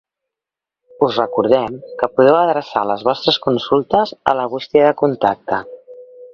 Us recordem que podeu adreçar les vostres consultes a la bústia de contacte.